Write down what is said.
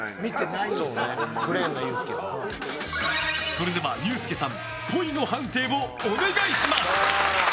それでは、ユースケさんっぽいの判定をお願いします。